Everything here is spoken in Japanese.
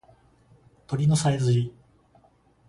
鳥のさえずり